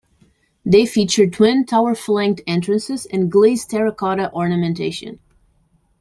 They feature twin, tower-flanked entrances and glazed terra cotta ornamentation.